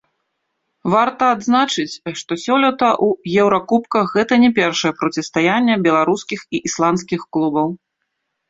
Варта адзначыць, што сёлета ў еўракубках гэта не першае процістаянне беларускіх і ісландскіх клубаў.